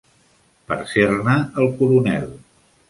per ser-ne el coronel.